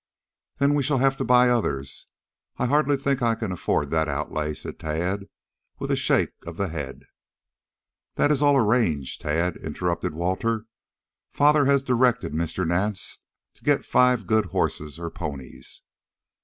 "Then we shall have to buy others. I hardly think I can afford that outlay," said Tad, with a shake of the head. "That is all arranged, Tad," interrupted Walter. "Father has directed Mr. Nance to get five good horses or ponies."